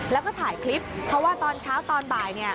แล้วก็ถ่ายคลิปเพราะว่าตอนเช้าตอนบ่ายเนี่ย